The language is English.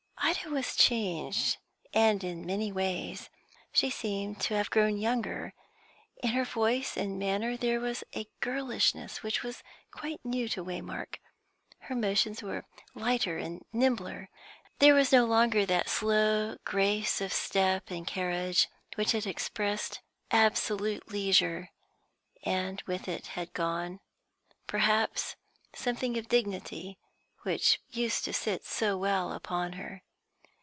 Ida was changed, and in many ways. She seemed to have grown younger; in her voice and manner there was a girlishness which was quite new to Waymark. Her motions were lighter and nimbler; there was no longer that slow grace of step and carriage which had expressed absolute leisure, and with it had gone, perhaps, something of dignity, which used to sit so well upon her.